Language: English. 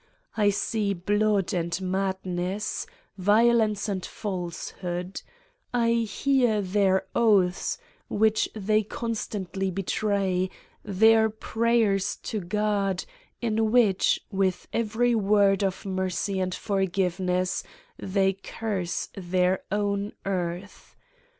I see blood and madness, violence and falsehood, I hear their oaths, which they constantly betray, their prayers to God, in which, with every word of mercy and forgiveness, they curse their own earth.